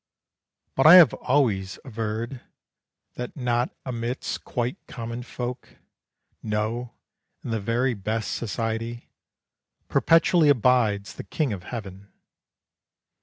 But I have always averred That not amidst quite common folk No, in the very best society, Perpetually abides the King of Heaven.